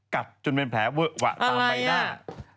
กัดจนเป็นแผลเวอะวะตามไปได้